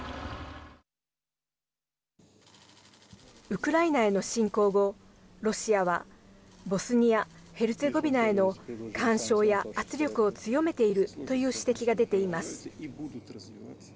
ウクライナへの侵攻後ロシアはボスニア・ヘルツェゴビナへの干渉や圧力を強めているという指摘が出ています。